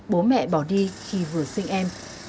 bố mẹ bỏ đi khi vừa sinh em